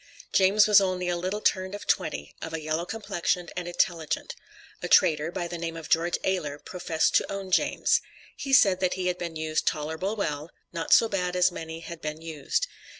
James was only a little turned of twenty, of a yellow complexion, and intelligent. A trader, by the name of George Ailer, professed to own James. He said that he had been used tolerable well, not so bad as many had been used.